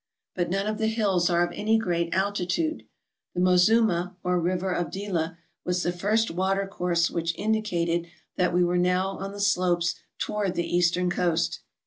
But none of the hills are of any great altitude. The Mo zuma, or river of Dila, was the first water course which in dicated that we were now on the slopes toward the eastern coast.